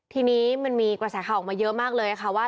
ทีนี้มันมีกระแสข่าวออกมาเยอะมากเลยค่ะว่า